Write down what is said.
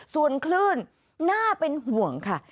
ส่วนคลื่นน่าเป็นห่วงค่ะ